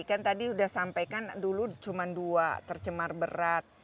kan tadi sudah sampaikan dulu cuma dua tercemar berat